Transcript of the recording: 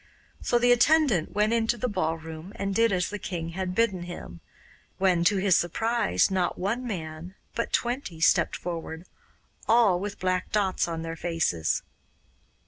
So the attendant went into the ballroom and did as the king had bidden him, when, to his surprise, not one man, but twenty, stepped forward, all with black dots on their faces.